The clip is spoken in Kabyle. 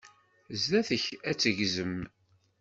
Zdat-k ad tt-tegzem.